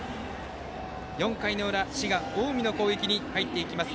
４回の裏、滋賀・近江の攻撃に入っていきます。